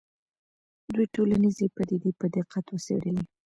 دوی ټولنیزې پدیدې په دقت وڅېړلې.